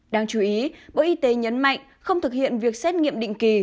đáng chú ý bộ y tế nhấn mạnh không thực hiện việc xét nghiệm định kỳ